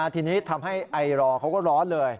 ทีนี้ทำให้ไอรอเขาก็ร้อนเลย